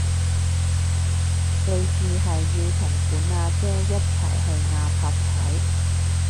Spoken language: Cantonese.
備註係要同本阿姐一齊去亞博睇